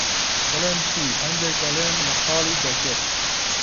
بڵێم چی، هەندێک دەڵێن لە خاڵی دەچێت.